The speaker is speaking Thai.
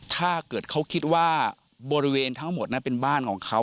ถ้าเกิดเขาคิดว่าบริเวณทั้งหมดนั้นเป็นบ้านของเขา